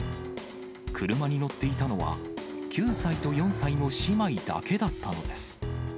車に乗っていたのは、９歳と４歳の姉妹だけだったのです。